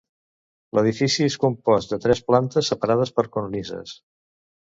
L'edifici és compost de tres plantes separades per cornises.